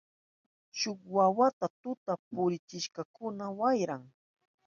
Shuk wawata tuta purichishpankuna wayran.